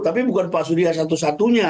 tapi bukan pak surya satu satunya